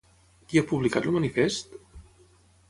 Qui ha publicat el manifest?